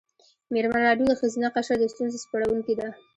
مېرمن راډیو د ښځینه قشر د ستونزو سپړونکې ده.